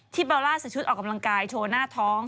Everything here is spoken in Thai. เบลล่าใส่ชุดออกกำลังกายโชว์หน้าท้อง